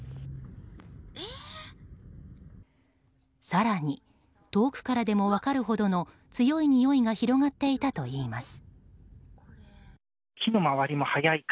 更に、遠くからでも分かるほどの強いにおいが広がっていたといいます。